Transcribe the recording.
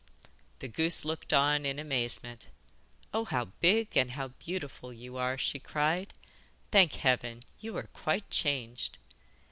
The goose looked on in amazement. 'Oh, how big and how beautiful you are!' she cried. 'Thank heaven, you are quite changed.